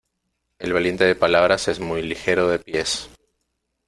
El valiente de palabras es muy ligero de pies.